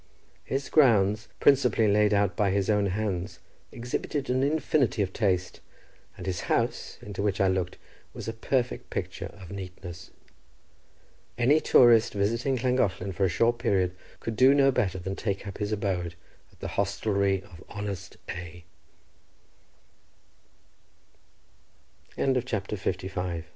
His grounds, principally laid out by his own hands, exhibited an infinity of taste, and his house, into which I looked, was a perfect picture of neatness. Any tourist visiting Llangollen for a short period could do no better than take up his abode at the hostelry of honest A—. CHAPTER LVI Ringing